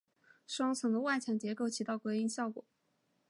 双层的外墙结构起到隔音的效果。